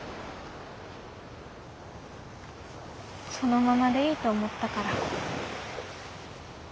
そのままでいいと思ったから。